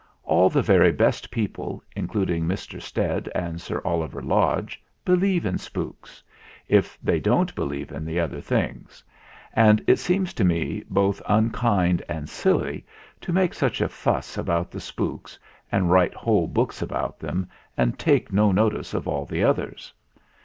All the very best people, including Mr. Stead and Sir Oliver Lodge, believe in spooks, if they don't believe in the other things ; and it seems to me both un kind and silly to make such a fuss about the spooks and write whole books about them and take no notice of all the others.